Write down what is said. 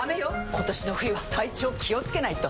今年の冬は体調気をつけないと！